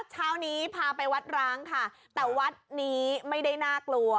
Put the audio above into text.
เช้านี้พาไปวัดร้างค่ะแต่วัดนี้ไม่ได้น่ากลัว